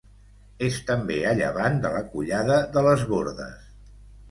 És també a llevant de la Collada de les Bordes.